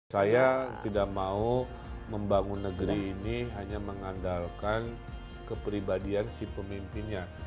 saya tidak mau membangun negeri ini hanya mengandalkan kepribadian si pemimpinnya